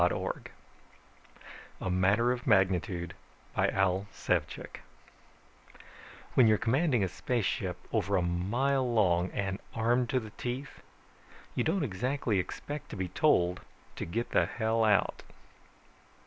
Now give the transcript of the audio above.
net A MATTER OF MAGNITUDE By AL SEVCIK _When you're commanding a spaceship over a mile long, and armed to the teeth, you don't exactly expect to be told to get the hell out